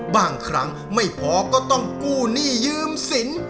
บางครั้งไม่พอก็ต้องกู้หนี้ยืมสิน